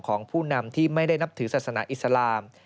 ของผู้นำที่ไม่ได้นับถือศาสนาอิสลาม